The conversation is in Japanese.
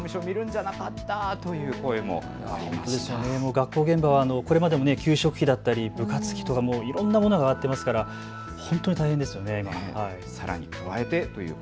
学校現場はこれまでも給食費だったり部活費とかいろんなもの上がっていますから、本当に大変ですよね。